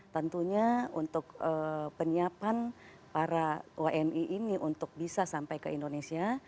tentunya untuk penyiapan para wni ini untuk bisa sampai ke indonesia